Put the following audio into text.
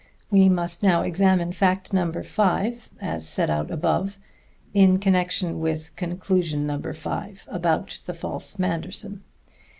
We must now examine fact number five (as set out above) in connection with conclusion number five about the false Manderson.